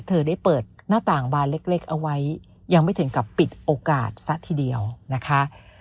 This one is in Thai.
เธอได้เปิดหน้าต่างบานเล็กเอาไว้ยังไม่ถึงกับปิดโอกาสซะทีเดียวนะคะ